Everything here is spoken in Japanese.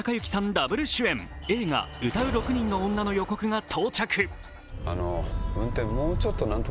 ダブル主演、映画「唄う六人の女」の予告が到着。